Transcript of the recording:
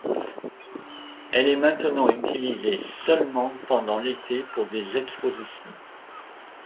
Elle est maintenant utilisée seulement pendant l'été pour des expositions.